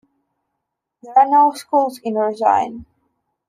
There are no schools in Rosine.